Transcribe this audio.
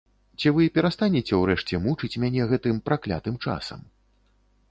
Ці вы перастанеце ўрэшце мучыць мяне гэтым праклятым часам?